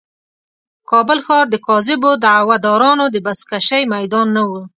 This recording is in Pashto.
کابل ښار د کاذبو دعوه دارانو د بزکشې میدان نه و.